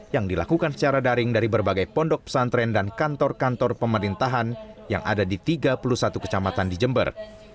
yang dilakukan secara daring dari berbagai pondok pesantren dan kantor kantor pemerintahan yang ada di jember